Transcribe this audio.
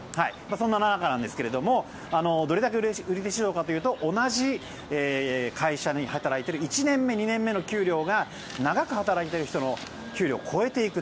そんな中ですがどれだけ売り手市場かというと同じ会社で働いている１年目、２年目の給料が長く働いている人の給料を超えていく。